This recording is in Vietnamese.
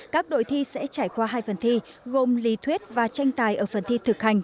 các đội thi sẽ trải qua hai phần thi gồm lý thuyết và tranh tài ở phần thi thực hành